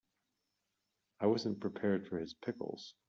I wasn't prepared for his pickles.